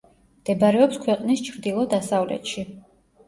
მდებარეობს ქვეყნის ჩრდილო-დასავლეთში.